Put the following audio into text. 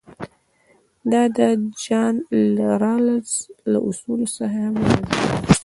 دا د جان رالز له اصولو څخه هم راځي.